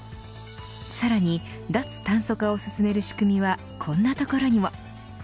さらに脱炭素化を進める仕組みはこんなところにも。